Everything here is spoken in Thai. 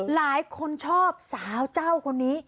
หลายคนชอบสาวเจ้าคนนี้